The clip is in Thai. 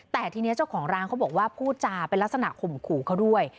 แต่ทีนี้เจ้าของร้านเขาบอกว่าพูดจาเป็นลักษณะข่มขู่เขาด้วย